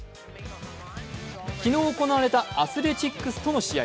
昨日行われたアスレチックスとの試合。